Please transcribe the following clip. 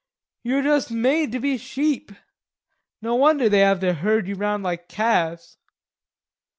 Ye're juss made to be sheep. No wonder they have to herd you round like calves."